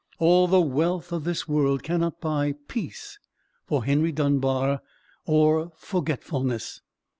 All the wealth of this world cannot buy peace for Henry Dunbar, or forgetfulness.